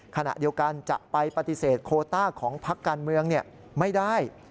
ขณะเดียวกันจะไปปฏิเสธโคต้าของพักการเมืองไม่ได้